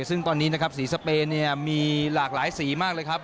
ซึ่งตอนนี้นะครับสีสเปนเนี่ยมีหลากหลายสีมากเลยครับ